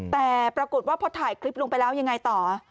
แต่ปรากฏว่าพอถ่ายคลิปลงไปแล้วยังไงต่อ